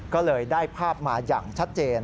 ก็เลยได้ภาพมาอย่างชัดเจน